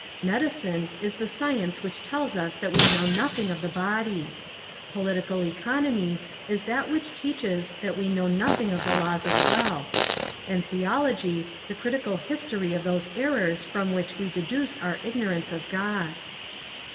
Medicine is the science which tells that we know nothing of the body. Political Economy is that which teaches that we know nothing of the laws of wealth; and Theology the critical history 27 Essays and Literary Studies of those errors from which we deduce our ig norance of God.